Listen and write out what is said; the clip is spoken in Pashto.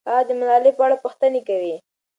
هغه د ملالۍ په اړه پوښتنې کوي.